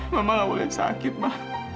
mama gak boleh sakit mah